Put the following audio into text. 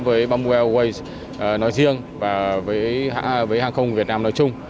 với bamboo airways nói riêng và với hàng không việt nam nói chung